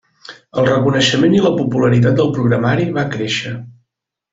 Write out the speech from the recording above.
El reconeixement i la popularitat del programari va créixer.